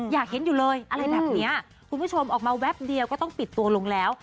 อยากเห็นอยู่เลยอะไรแบบนี้คุณผู้ชมออกมาแวบเดียวก็ต้องปิดตัวลงแล้ว